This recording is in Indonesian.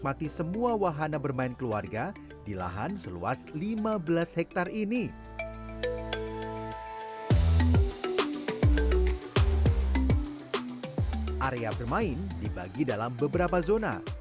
area bermain dibagi dalam beberapa zona